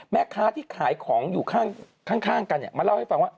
แม่ค้าที่ขายของอยู่ข้างกันเนี่ยมาเล่าให้ฟังว่า